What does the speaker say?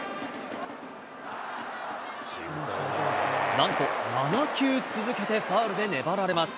なんと７球続けてファウルで粘られます。